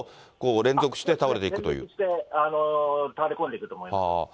連続して倒れ込んでいくと思います。